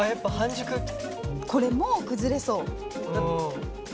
これもう崩れそう。